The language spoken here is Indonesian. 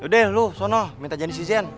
yaudah lu sono minta janis si jen